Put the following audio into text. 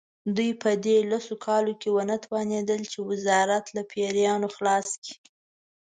دوی په دې لسو کالو کې ونه توانېدل چې وزارت له پیریانو خلاص کړي.